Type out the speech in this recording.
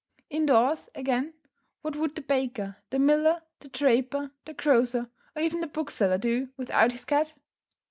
In doors, again, what would the baker, the miller, the draper, the grocer, or even the bookseller do, without his cat?